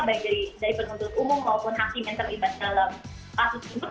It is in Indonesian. baik dari penuntut umum maupun hakim yang terlibat dalam kasus ini